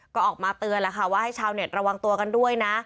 ก็ออกมาเตือนแล้วค่ะว่าให้ชาวเน็ตระวังตัวกันด้วยนะ